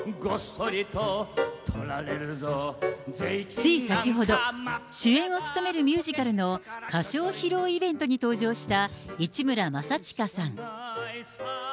つい先ほど、主演を務めるミュージカルの歌唱披露イベントに登場した市村正親さん。